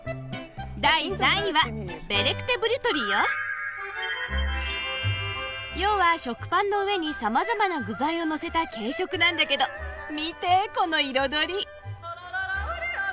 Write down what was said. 第３位は要は食パンの上にさまざまな具材をのせた軽食なんだけど見てこの彩り！